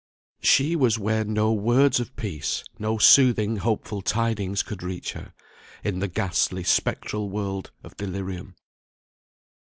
She was where no words of peace, no soothing hopeful tidings could reach her; in the ghastly spectral world of delirium.